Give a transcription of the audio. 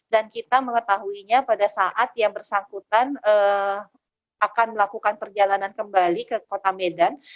dan kita mengetahuinya pada saat yang bersangkutan akan melakukan perjalanan kembali ke kota medan